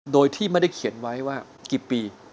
โดยที่ไม่ได้เขียนไว้ว่ากี่ปี